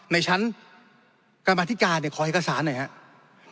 ในชั้นกรรมธิการเนี่ยขอเอกสารหน่อยครับ